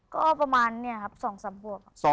ก็ประมาณนี้ครับ๒๓ขวบครับ